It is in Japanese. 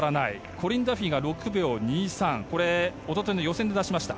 コリン・ダフィーが６秒２３を一昨日の予選で出しました。